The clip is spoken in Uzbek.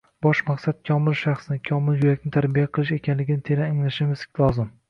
bosh maqsad komil shaxsni, komil yurakni tarbiya qilish ekanligini teran anglashimiz lozim.